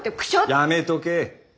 やめとけ。